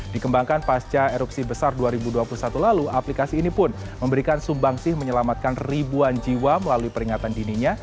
dikembangkan pasca erupsi besar dua ribu dua puluh satu lalu aplikasi ini pun memberikan sumbang sih menyelamatkan ribuan jiwa melalui peringatan dininya